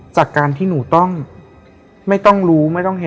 จากการที่หนูต้องไม่ต้องรู้ไม่ต้องเห็น